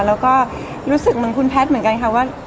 แล้วก็รู้สึกเหมือนคุณแพทย์เหมือนกันค่ะว่า